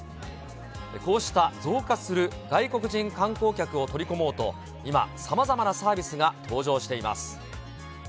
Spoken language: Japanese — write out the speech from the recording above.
こうした増加する外国人観光客を取り込もうと、今、さまざまなサービスが登場しています。